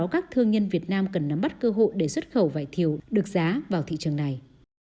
các thương nhân việt nam cần nắm bắt cơ hội để xuất khẩu vải thiều được giá vào thị trường này